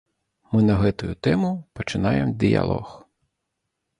Мы на гэтую тэму пачынаем дыялог.